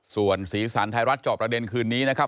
ส่วนสีสันไทยรัฐจอบประเด็นคืนนี้นะครับ